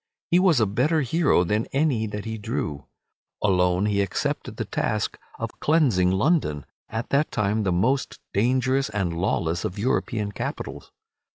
He was a better hero than any that he drew. Alone he accepted the task of cleansing London, at that time the most dangerous and lawless of European capitals.